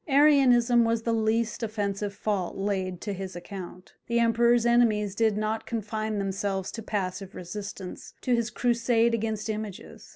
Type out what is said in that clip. Arianism was the least offensive fault laid to his account. The Emperor's enemies did not confine themselves to passive resistance to his crusade against images.